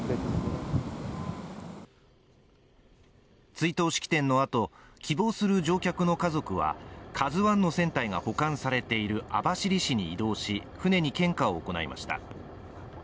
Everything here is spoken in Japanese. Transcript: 追悼式典のあと、希望する乗客の家族は「ＫＡＺＵⅠ」の船体が保管されている網走市に移動し、船に献花を行いました。